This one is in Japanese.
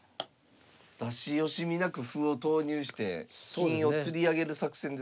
出し惜しみなく歩を投入して金をつり上げる作戦ですか？